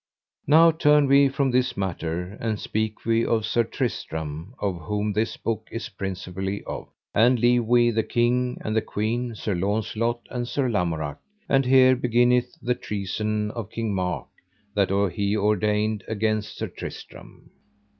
Now turn we from this matter, and speak we of Sir Tristram, of whom this book is principally of, and leave we the king and the queen, Sir Launcelot, and Sir Lamorak, and here beginneth the treason of King Mark, that he ordained against Sir Tristram.